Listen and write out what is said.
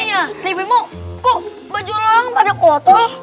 haiya livimu kok baju lalang pada kotor